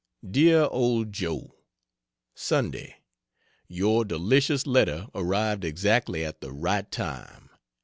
DEAR OLD JOE, Sunday. Your delicious letter arrived exactly at the right time.